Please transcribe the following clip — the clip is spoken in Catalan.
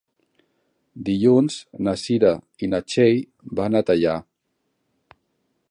Dilluns na Cira i na Txell van a Teià.